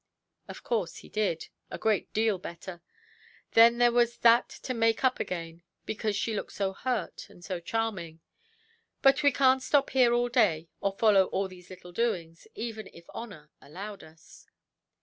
Of course he did, a great deal better. Then there was that to make up again, because she looked so hurt and so charming. But we canʼt stop here all day, or follow all these little doings, even if honour allowed us.